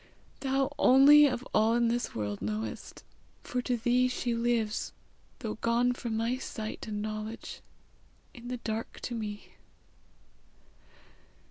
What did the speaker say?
Thou only of all in this world knowest, for to thee she lives though gone from my sight and knowledge in the dark to me.